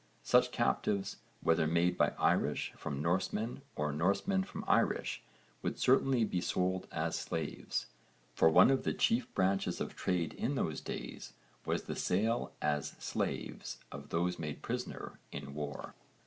Such captives whether made by Irish from Norsemen or Norsemen from Irish would certainly be sold as slaves, for one of the chief branches of trade in those days was the sale as slaves of those made prisoner in war.